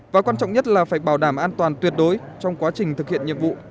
và quan trọng nhất là phải bảo đảm an toàn tuyệt đối trong quá trình thực hiện nhiệm vụ